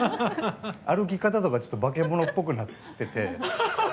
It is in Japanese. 歩き方とか化け物っぽくなってて。